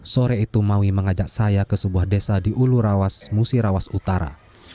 sore itu maui mengajak saya ke sebuah desa di ulurawas musirawas utara